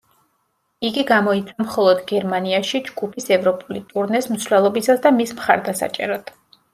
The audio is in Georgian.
იგი გამოიცა მხოლოდ გერმანიაში, ჯგუფის ევროპული ტურნეს მსვლელობისას და მის მხარდასაჭერად.